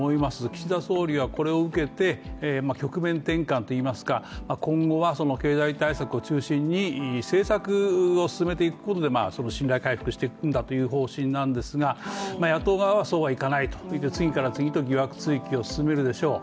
岸田総理はこれを受けて局面転換といいますか、今後は経済対策を中心に政策を進めていくことで信頼回復していくんだという方針なんですが野党側はそうはいかないと次から次へと疑惑追及を進めるでしょう。